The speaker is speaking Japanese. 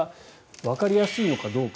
わかりやすいのかどうか。